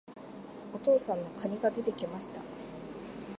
お父さんの蟹が出て来ました。